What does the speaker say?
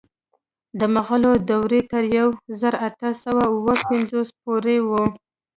د مغولو دوره تر یو زر اته سوه اوه پنځوس پورې وه.